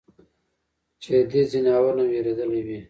چې د دې ځناورو نه وېرېدلے وي ؟